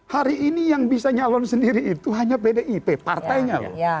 hari ini yang bisa nyalon sendiri itu hanya pdip partainya loh